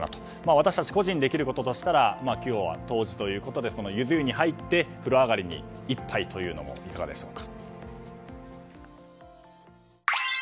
私たち個人にできることといえば今日は冬至ということでゆず湯に入って風呂上がりに１杯というのもいかがでしょうか。